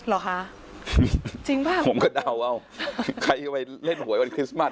เหรอคะจริงป่ะผมก็เดาเอาใครไปเล่นหวยวันคริสต์มัส